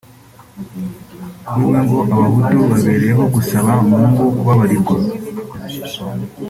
kuri we ngo Abahutu babereyeho gusaba mungu kubabarirwa